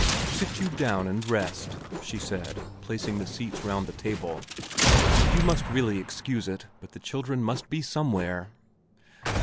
"Sit you down and rest," she said, placing the seats round the table. "And you must really excuse it, but the children must be somewhere."